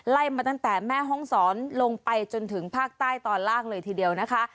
มาตั้งแต่แม่ห้องศรลงไปจนถึงภาคใต้ตอนล่างเลยทีเดียวนะคะ